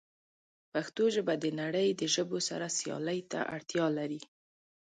پښتو ژبه د نړۍ د ژبو سره سیالۍ ته اړتیا لري.